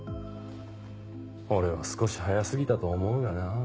俺は少し早過ぎたと思うがな。